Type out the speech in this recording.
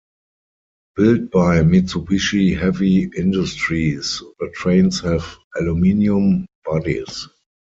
Built by Mitsubishi Heavy Industries, the trains have aluminium bodies.